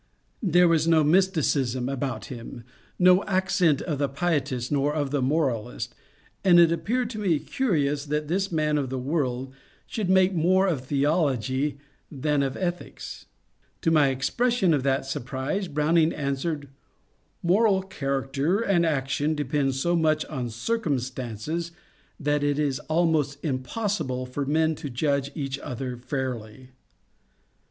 There was no mysticism about him, no accent of the pietist nor of the moralist, and it appeared to me curious that this man of the world should make more of theology than of ethics. To my expression of that surprise Browning answered, ^^ Moral character and action depend so much on circumstances that it is almost impossible for men to judge each other fairly."